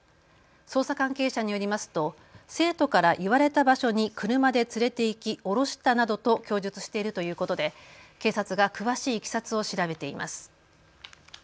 捜査関係者によりますと生徒から言われた場所に車で連れて行き降ろしたなどと供述しているということで警察が詳しいいきさつを調べています。